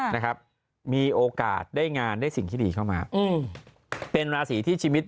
นะครับมีโอกาสได้งานได้สิ่งที่ดีเข้ามาอืมเป็นราศีที่ชีวิต